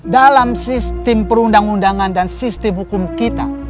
dalam sistem perundang undangan dan sistem hukum kita